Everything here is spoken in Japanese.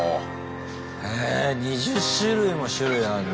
へえ２０種類も種類あるんだ。